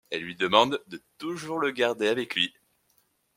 Elle lui demande de toujours le garder avec lui.